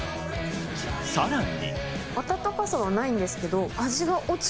さらに。